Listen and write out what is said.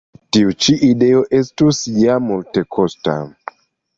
Tiu ĉi ideo estus ja multekosta.